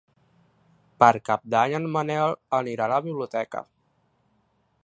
Per Cap d'Any en Manel anirà a la biblioteca.